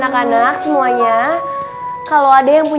kemana aja sih po